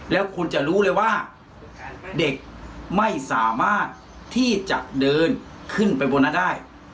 แล้วคุณจะรู้เลยว่าเด็กไม่สามารถที่จะเดินขึ้นไปบนนั้นได้